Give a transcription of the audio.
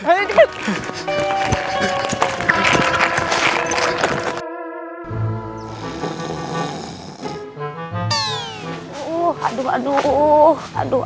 aduh aduh aduh aduh aduh